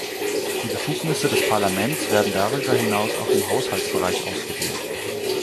Die Befugnisse des Parlaments werden darüber hinaus auch im Haushaltsbereich ausgedehnt.